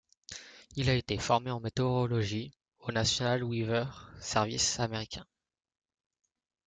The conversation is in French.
Il a été formé en météorologie au National Weather Service américain.